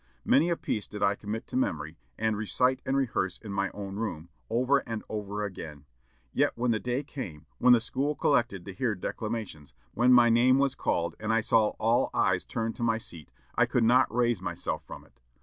Many a piece did I commit to memory, and recite and rehearse in my own room, over and over again, yet, when the day came, when the school collected to hear declamations, when my name was called, and I saw all eyes turned to my seat, I could not raise myself from it.